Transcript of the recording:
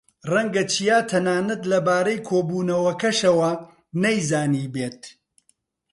ڕەنگە چیا تەنانەت لەبارەی کۆبوونەوەکەشەوە نەیزانیبێت.